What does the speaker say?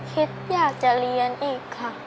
คิดอยากจะเรียนอีกค่ะ